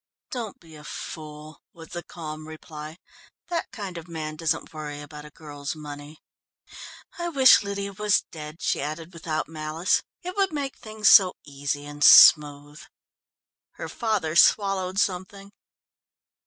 "Don't be a fool," was the calm reply. "That kind of man doesn't worry about a girl's money. I wish Lydia was dead," she added without malice. "It would make things so easy and smooth." Her father swallowed something.